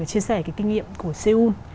chia sẻ cái kinh nghiệm của seoul